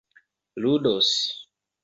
ludos